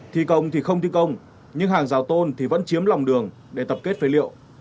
thi công thì không thi công nhưng hàng rào tôn thì vẫn chiếm lòng đường để tập kết phế liệu